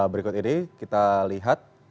berikut ini kita lihat